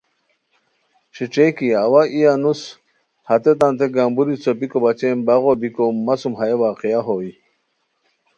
ݯیݯھئے کی اوا ای انوسو ہتیتانتے گمبوری څوپیکو بچے باغو بیکو مہ سوم ہیہ واقعہ ہوئے رے